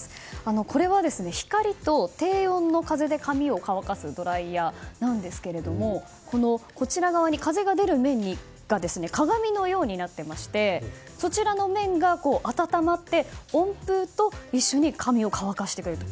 これは、光と低温の風で髪を乾かすドライヤーなんですけども風が出る面が鏡のようになっていましてそちらの面が温まって、温風と一緒に髪を乾かしてくれると。